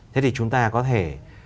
thế thì chúng ta có thể